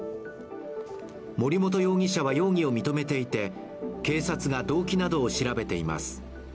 森本容疑者は容疑を認めていて、警察が動機などを調べています。